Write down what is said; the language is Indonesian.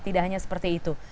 tidak hanya seperti itu